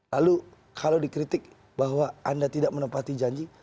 lalu kalau dikritik bahwa anda tidak menepati janji